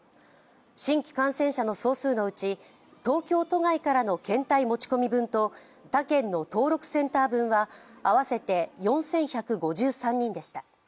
新規感染者の総数のうち東京都外からの検体持ち込みと他県の登録センター分は合わせて４１５３人でした。